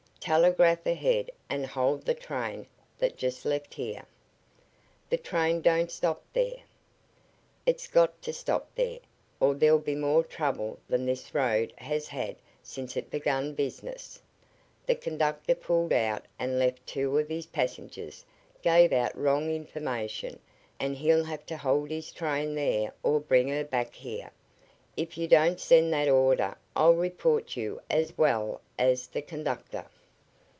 "Telegraph ahead and hold the train that just left here." "The train don't stop there." "It's got to stop there or there'll be more trouble than this road has had since it began business. The conductor pulled out and left two of his passengers gave out wrong information, and he'll have to hold his train there or bring her back here. If you don't send that order I'll report you as well as the conductor."